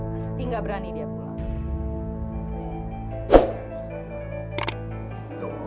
pasti gak berani dia pulang